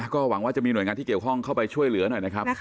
ก็หวังว่าจะมีหน่วยงานที่เกี่ยวข้องเข้าไปช่วยเหลือหน่อยนะครับ